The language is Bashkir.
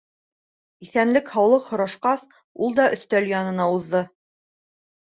Иҫәнлек-һаулыҡ һорашҡас, ул да өҫтәл янына уҙҙы.